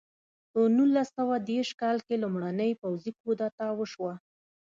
په نولس سوه دېرش کال کې لومړنۍ پوځي کودتا وشوه.